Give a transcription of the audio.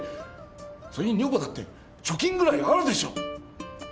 それに女房だって貯金ぐらいはあるでしょう。